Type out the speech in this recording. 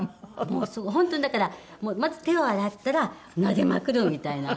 もう本当にだからまず手を洗ったらなでまくるみたいな。